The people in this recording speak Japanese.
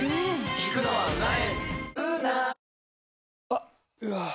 あっ、うわー。